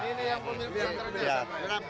ini yang pemerintah terbesar